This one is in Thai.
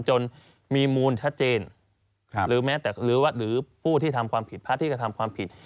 จนมีมูลชัดเจนหรือผู้ที่ทำความผิดพระที่กระทำความผิด